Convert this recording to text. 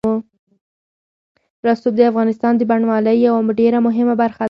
رسوب د افغانستان د بڼوالۍ یوه ډېره مهمه برخه ده.